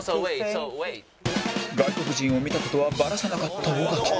外国人を見た事はバラさなかった尾形